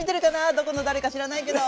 どこの誰か知らないけど。